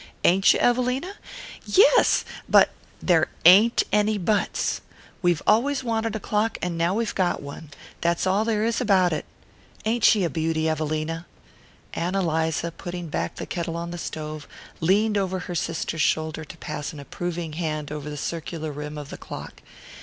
Ain't you, Evelina?" "Yes, but " "There ain't any buts. We've always wanted a clock and now we've got one: that's all there is about it. Ain't she a beauty, Evelina?" Ann Eliza, putting back the kettle on the stove, leaned over her sister's shoulder to pass an approving hand over the circular rim of the clock.